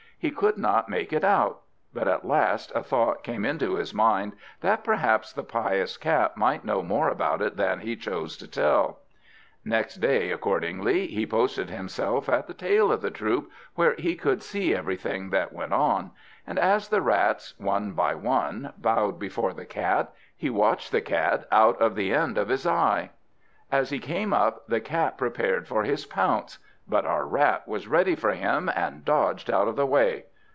He could not make it out; but at last a thought came into his mind, that perhaps the pious Cat might know more about it than he chose to tell. Next day accordingly, he posted himself at the tail of the troop, where he could see everything that went on; and as the Rats one by one bowed before the Cat, he watched the Cat out of the end of his eye. As he came up, the Cat prepared for his pounce. But our Rat was ready for him, and dodged out of the way.